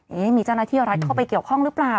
มีเจ้าหน้าที่รัฐเข้าไปเกี่ยวข้องหรือเปล่า